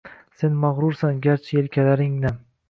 Sen mag‘rursan garchi yelkalaring nam.